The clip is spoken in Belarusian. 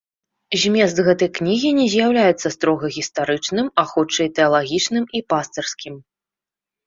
Змест гэтай кнігі не з'яўляецца строга гістарычным, а хутчэй тэалагічным і пастырскім.